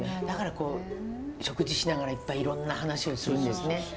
だからこう食事しながらいっぱいいろんな話をするんですね。